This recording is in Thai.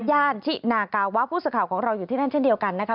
ย่านชินากาวะผู้สื่อข่าวของเราอยู่ที่นั่นเช่นเดียวกันนะคะ